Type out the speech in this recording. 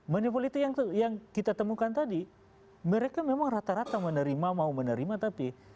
manipulity yang kita temukan tadi mereka memang rata rata menerima mau menerima tapi